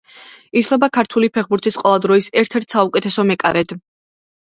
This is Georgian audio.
ითვლება ქართული ფეხბურთის ყველა დროის ერთ-ერთ საუკეთესო მეკარედ.